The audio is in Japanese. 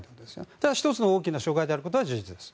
ただ、１つの大きな障害であることは事実です。